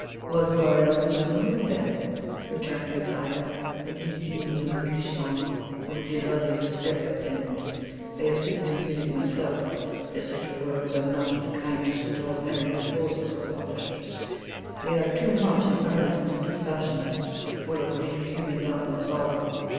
"While you are in a musical mood then," returned Prince Ivan, "let me sing you an English song one of the loveliest ever penned. I have set it to music myself, as such words are not of the kind to suit ordinary composers or publishers; they are too much in earnest, too passionate, too full of real human love and sorrow.